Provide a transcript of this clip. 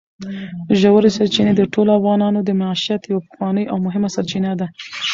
ژورې سرچینې د ټولو افغانانو د معیشت یوه پخوانۍ او مهمه سرچینه ده.